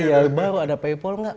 ya baru ada paypal gak